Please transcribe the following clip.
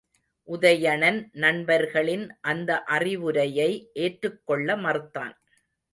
உதயணன் நண்பர்களின் அந்த அறிவுரையை ஏற்றுக்கொள்ள மறுத்தான்.